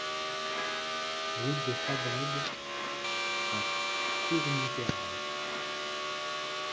Route de Fabrègues à Cournonterral